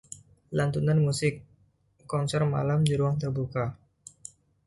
Lantunan musik, konser malam di ruang terbuka